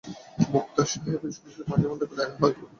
মোক্তার সাহেবের সঙ্গে মাঝেমধ্যে দেখা হয়।